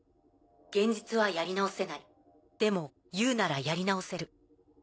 現実はやり直せないでもＵならやり直せる。